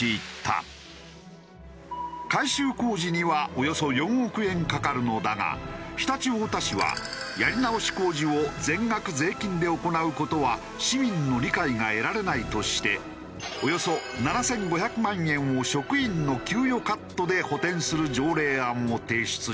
改修工事にはおよそ４億円かかるのだが常陸太田市はやり直し工事を全額税金で行う事は市民の理解が得られないとしておよそ７５００万円を職員の給与カットで補填する条例案を提出したのだ。